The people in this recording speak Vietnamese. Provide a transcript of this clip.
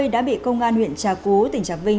đã bị công an huyện trà cú tỉnh trà vinh